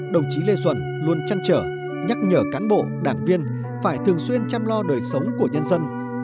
đồng chí lê duẩn luôn chăn trở nhắc nhở cán bộ đảng viên phải thường xuyên chăm lo đời sống của nhân dân